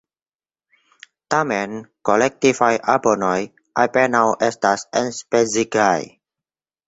Tamen, kolektivaj abonoj apenaŭ estas enspezigaj.